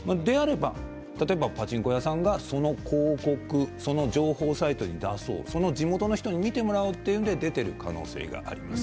例えば、パチンコ屋さんがその情報サイトに広告を出す地元の人に見てもらうということで出ている可能性があります。